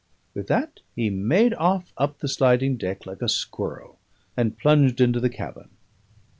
With that he made off up the sliding deck like a squirrel, and plunged into the cabin.